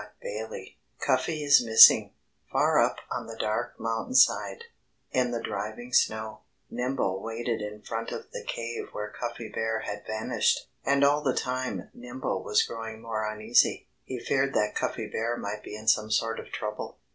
XII CUFFY IS MISSING Far up on the dark mountainside, in the driving snow, Nimble waited in front of the cave where Cuffy Bear had vanished. And all the time Nimble was growing more uneasy. He feared that Cuffy Bear might be in some sort of trouble.